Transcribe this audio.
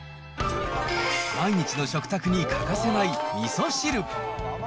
毎日の食卓に欠かせないみそ汁。